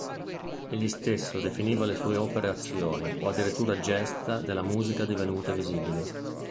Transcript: Egli stesso definiva le sue opere "azioni" o addirittura "gesta della musica divenute visibili".